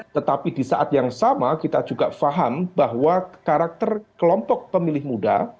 tetapi di saat yang sama kita juga paham bahwa karakter kelompok pemilih muda